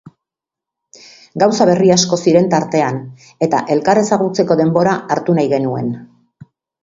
Gauza berri asko ziren tartean eta elkar ezagutzeko denbora hartu nahi genuen.